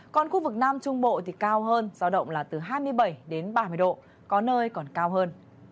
còn khu vực nam trung bộ thì cao hơn giao động là từ hai mươi bảy đến ba mươi độ có nơi còn cao hơn